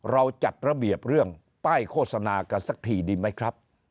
เราจัดระเบียบเรื่องป้ายโฆษณากันสักทีดีไหมครับ